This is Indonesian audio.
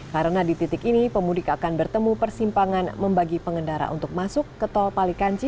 karena di titik ini pemudik akan bertemu persimpangan membagi pengendara untuk masuk ke tol palikanci